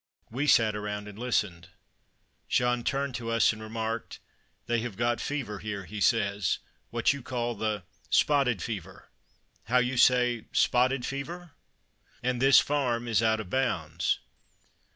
We sat around and listened. Jean turned to us and remarked: "They have got fever here, he says, what you call the spotted fever how you say, spotted fever? and this farm is out of bounds."